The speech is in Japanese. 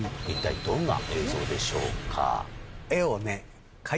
一体どんな映像でしょうか？